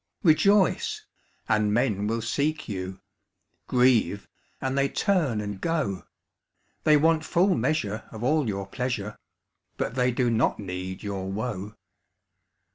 Rejoice, and men will seek you; Grieve, and they turn and go; They want full measure of all your pleasure, But they do not need your woe.